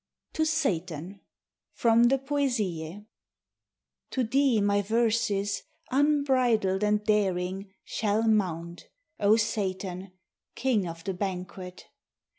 TO SATAN From the 'Poesie' To thee my verses, Unbridled and daring, Shall mount, O Satan, King of the banquet!